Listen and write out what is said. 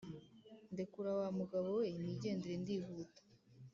ndekura wa mugabo we nigendere ndihuta!